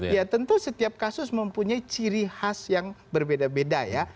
ya tentu setiap kasus mempunyai ciri khas yang berbeda beda ya